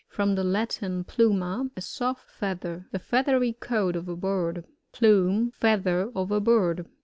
— From the Latin, pluma, a soft feather. The feathery coat of a bird. Plumb. — Feather of a bird.